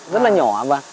rất là nhỏ